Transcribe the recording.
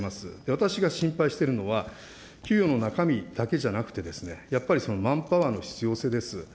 私が心配しているのは、給与の中身だけじゃなくて、やっぱりマンパワーの必要性です。